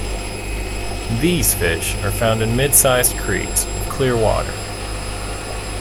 These fish are found in mid-sized creeks with clear water.